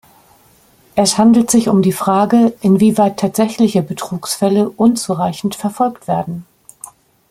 Es handelt sich um die Frage, inwieweit tatsächliche Betrugsfälle unzureichend verfolgt werden.